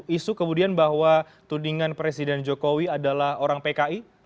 isu kemudian bahwa tudingan presiden jokowi adalah orang pki